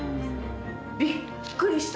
びっくりした。